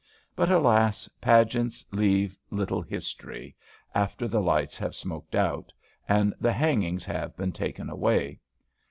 But, alas, pageants leave little history, after the lights have smoked out, and the hangings have been taken away.